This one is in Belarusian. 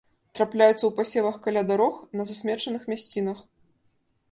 Трапляюцца ў пасевах, каля дарог, на засмечаных мясцінах.